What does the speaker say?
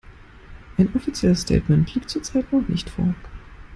Ein offizielles Statement liegt zurzeit noch nicht vor.